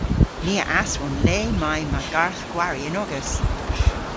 Ni a aswon le may ma garth-gwari yn-ogas.